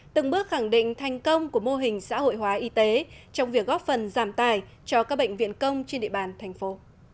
từng bước khẳng định thành công của mô hình xã hội hóa y tế trong việc góp phần giảm tài cho các bệnh viện công trên địa bàn thành phố